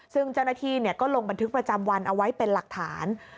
ซึ่งเจ้าหน้าที่ก็ลงบันทึกประจำวันเอาไว้เป็นหลักฐาน